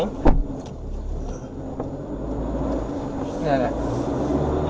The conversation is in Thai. นี่อะไร